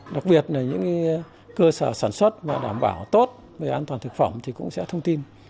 đặc biệt là những cơ sở sản xuất và đảm bảo tốt về an toàn thực phẩm thì cũng sẽ thông tin